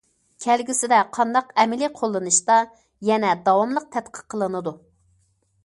كەلگۈسىدە قانداق ئەمەلىي قوللىنىشتا يەنە داۋاملىق تەتقىق قىلىنىدۇ.